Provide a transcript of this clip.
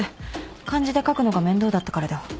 漢字で書くのが面倒だったからでは？